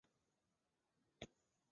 屈维耶。